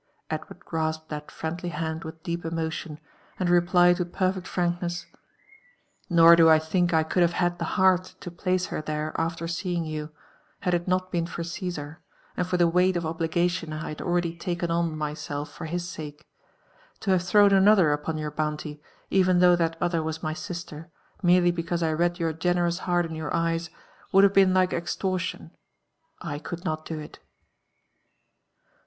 Edward grasped that friendly hand with deep emotion, and replied with perfect frankness ; JONATHAN JEFFEllSON WHITLAW. 1^ " Nor do I think I could have had the heart to place her there after seeing you, had it not been for Cae^^ar^and for (he weight of obligation I had already taken on myself for his sake. To have thrown another upon your bounty, even though that other was my sister, merely be cause I read your generous heart in your eyes, would have been like oxtorlion, — I could not do it."